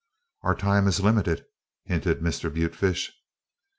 "Our time is limited," hinted Mr. Butefish.